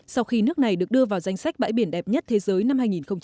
sau khi nước này được đưa vào danh sách bãi biển đẹp nhất thế giới năm hai nghìn một mươi